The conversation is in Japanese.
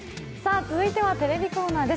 続いてはテレビコーナーです。